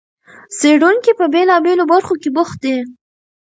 څېړونکي په بېلابېلو برخو کې بوخت دي.